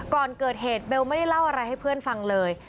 ก่อนเกิดเหตุเบลไม่ได้เล่าอะไรให้เพื่อนฟังเลย